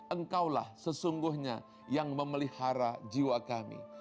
engkaulah sesungguhnya yang memelihara jiwa kami